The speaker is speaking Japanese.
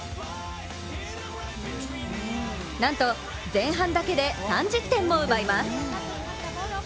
なんと前半だけで３０点も奪います。